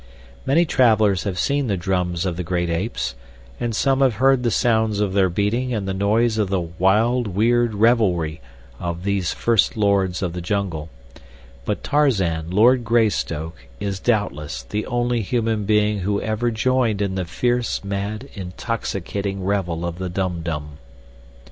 Many travelers have seen the drums of the great apes, and some have heard the sounds of their beating and the noise of the wild, weird revelry of these first lords of the jungle, but Tarzan, Lord Greystoke, is, doubtless, the only human being who ever joined in the fierce, mad, intoxicating revel of the Dum Dum.